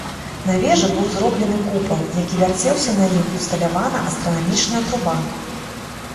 На вежы быў зроблены купал, які вярцеўся, на ім усталявана астранамічная труба.